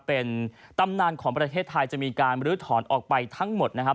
เป็นตำนานของประเทศไทยจะมีการบรื้อถอนออกไปทั้งหมดนะครับ